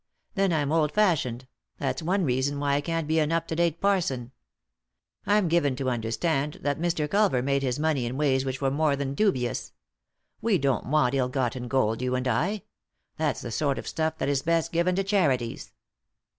Then I'm old fashioned ; that's one reason why I can't be an up to date parson. I'm given to understand that Mr. Culver made his money in ways which were more than dubious. We don't want ill gotten gold, you and I ; that's the sort of stuff that is best given to charities."